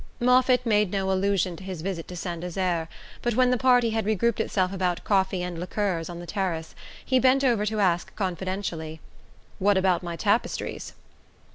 Moffatt made no allusion to his visit to Saint Desert; but when the party had re grouped itself about coffee and liqueurs on the terrace, he bent over to ask confidentially: "What about my tapestries?"